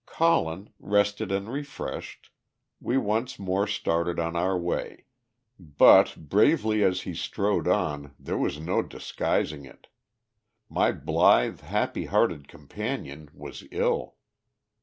Colin, rested and refreshed, we once more started on our way, but, bravely as he strode on, there was no disguising it my blithe, happy hearted companion was ill.